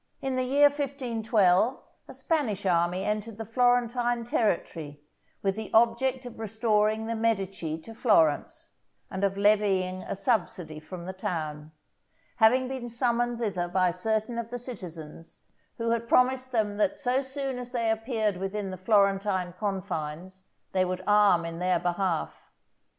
In the year 1512, a Spanish army entered the Florentine territory, with the object of restoring the Medici to Florence, and of levying a subsidy from the town; having been summoned thither by certain of the citizens, who had promised them that so soon as they appeared within the Florentine confines they would arm in their behalf.